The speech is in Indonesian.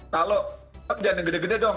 kalau tetep jangan gede gede dong